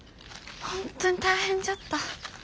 本当に大変じゃった。